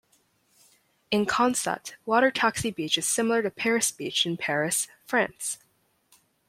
In concept, Water Taxi Beach is similar to Paris Beach in Paris, France.